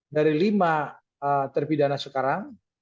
dari lima terpidana sekarang